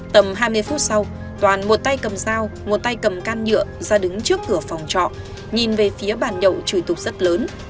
tầm hai mươi phút sau toàn một tay cầm dao một tay cầm can nhựa ra đứng trước cửa phòng trọ nhìn về phía bàn nhậu chửi tục rất lớn